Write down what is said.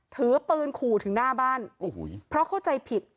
ถือปืนขู่ถึงหน้าบ้านโอ้โหเพราะเข้าใจผิด